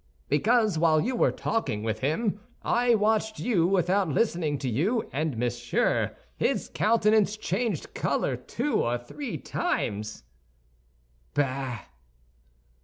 "Because, while you were talking with him, I watched you without listening to you; and, monsieur, his countenance changed color two or three times!" "Bah!"